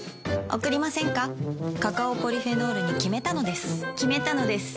カカオポリフェノールに決めたのです決めたのです。